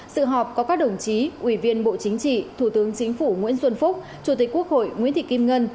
sự họp có các đồng chí ủy viên bộ chính trị thủ tướng chính phủ nguyễn xuân phúc chủ tịch quốc hội nguyễn thị kim ngân